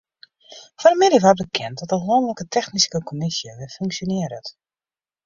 Fan 'e middei waard bekend dat de lanlike technyske kommisje wer funksjonearret.